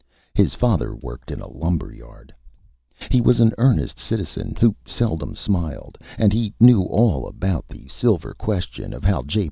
His Father worked in a Lumber Yard. He was an Earnest Citizen, who seldom Smiled, and he knew all about the Silver Question and how J.